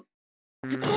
ズコ！